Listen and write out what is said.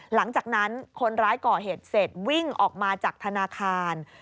หลังจากนั้นคนร้ายก่อเหตุเสร็จวิ่งออกมาจากธนาคาร